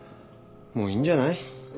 もういいんじゃない？